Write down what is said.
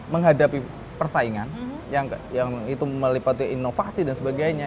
menghadapi persaingan yang itu melipati inovasi dan sebagainya